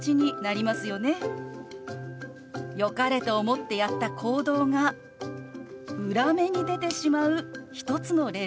よかれと思ってやった行動が裏目に出てしまう一つの例です。